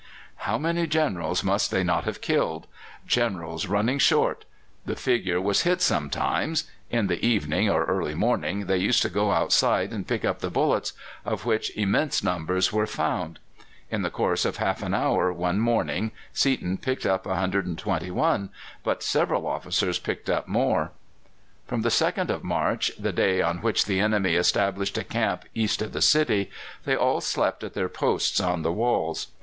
How many Generals must they not have killed! Generals running short! The figure was hit sometimes. In the evening or early morning they used to go outside and pick up the bullets, of which immense numbers were found. In the course of half an hour one morning Seaton picked up 121, but several officers picked up more. From the 2nd of March, the day on which the enemy established a camp east of the city, they all slept at their posts on the walls.